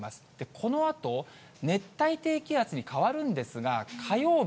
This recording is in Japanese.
このあと熱帯低気圧に変わるんですが、火曜日、